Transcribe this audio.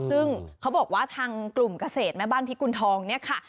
ซึ่งเขาบอกว่าทางกลุ่มเกษตรแม่บ้านพิกุณฑองเนี่ยค่ะ